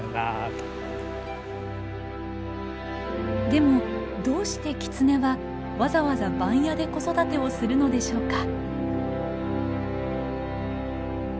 でもどうしてキツネはわざわざ番屋で子育てをするのでしょうか？